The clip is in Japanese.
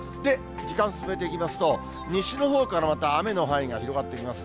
時間進めていきますと、西のほうからまた雨の範囲が広がってきます。